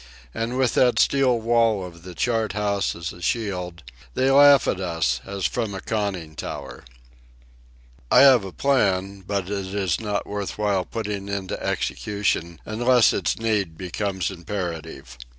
And with that steel wall of the chart house as a shield they laugh at us as from a conning tower. I have a plan, but it is not worth while putting into execution unless its need becomes imperative.